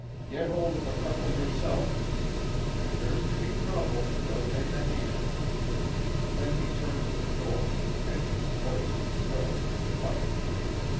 "Get hold of a couple yourself! If there's to be trouble we'll take a hand!" Then he turned to the door, and his voice was thrilling with "fight."